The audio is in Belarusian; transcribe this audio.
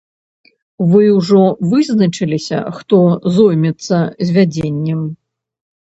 Вы ўжо вызначыліся, хто зоймецца звядзеннем?